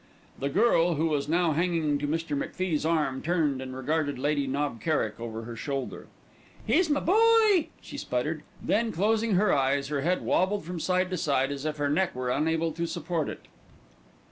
The girl, who was now hanging on to Mr. MacFie's arm, turned and regarded Lady Knob Kerrick over her shoulder. "He's my boooy," she spluttered; then closing her eyes her head wobbled from side to side, as if her neck were unable to support it.